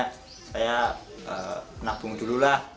saya nabung dulu lah